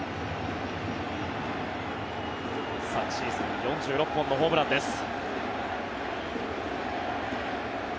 昨シーズン４６本のホームランです。